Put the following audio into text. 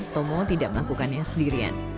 tomo tidak melakukannya sendirian